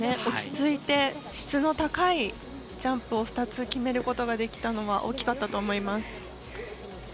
落ち着いて、質の高いジャンプを２つ決めることができたのは大きかったと思います。